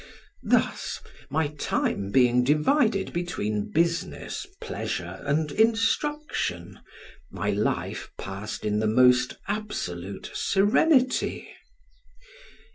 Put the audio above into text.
Thus, my time being divided between business, pleasure, and instruction, my life passed in the most absolute serenity.